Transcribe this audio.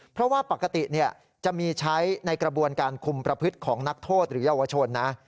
เพราะว่าปกติจะมีใช้ในกระบวนการคุมประพฤติของนักโทษหรือเยาวชนนะ